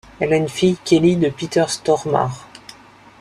Elle a une fille, Kelly, de Peter Stormare.